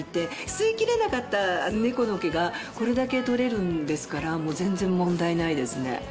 吸い切れなかった猫の毛がこれだけ取れるんですから全然問題ないですね。